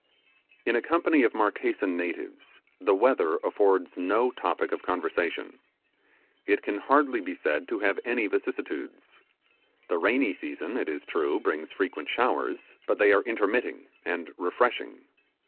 In a company of Marquesan natives the weather affords no topic of conversation. It can hardly be said to have any vicissitudes. The rainy season, it is true, brings frequent showers, but they are intermitting and refreshing.